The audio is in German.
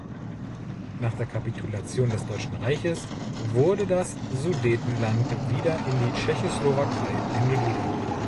Nach der Kapitulation des Deutschen Reiches wurde das Sudetenland wieder in die Tschechoslowakei eingegliedert.